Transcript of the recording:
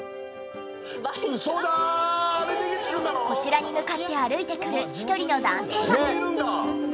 こちらに向かって歩いてくる１人の男性が。